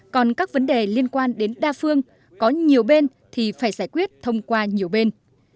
còn các vấn đề liên quan đến đa phương có nhiều bên thì phải giải quyết thông qua nhiều bên